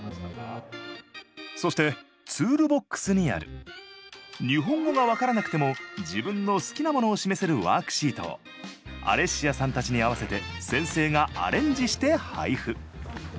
そしてツールボックスにある日本語が分からなくても自分の好きなものを示せるワークシートをアレッシアさんたちに合わせて先生がアレンジして配付。